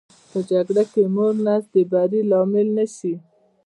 په جګړه کې که موړ نس د بري لامل نه شي.